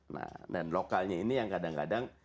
nah dan lokalnya ini yang kadang kadang